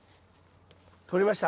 取れました？